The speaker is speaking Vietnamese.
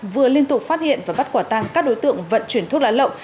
vừa liên tục phát hiện và bắt quả tăng các đối tượng vận chuyển thuốc lá lậu